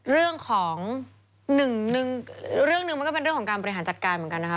เรื่องของหนึ่งเรื่องหนึ่งมันก็เป็นเรื่องของการบริหารจัดการเหมือนกันนะคะ